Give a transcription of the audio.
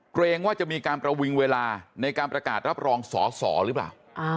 เกรงว่าจะมีการประวิงเวลาในการประกาศรับรองสอสอหรือเปล่า